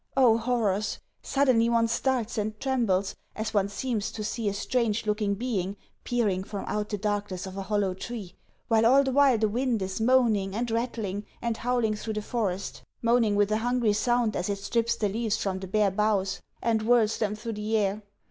Oh horrors! Suddenly one starts and trembles as one seems to see a strange looking being peering from out of the darkness of a hollow tree, while all the while the wind is moaning and rattling and howling through the forest moaning with a hungry sound as it strips the leaves from the bare boughs, and whirls them into the air.